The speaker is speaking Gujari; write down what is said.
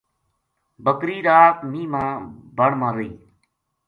بکری رات مینہ ما بن ما رہی